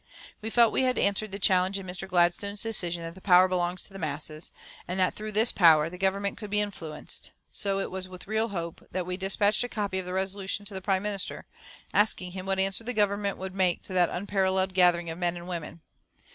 We felt that we had answered the challenge in Mr. Gladstone's declaration that "power belongs to the masses," and that through this power the Government could be influenced; so it was with real hope that we despatched a copy of the resolution to the Prime Minister, asking him what answer the Government would make to that unparalleled gathering of men and women.